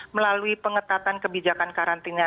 melalui pengetatan kebijakan karantinian